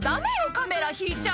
カメラ引いちゃ！」